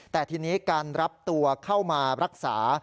แต่ทีนี้การรับตัวเข้ามารักษา